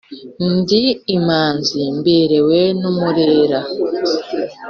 Ndi imanzi mberewe n'umurera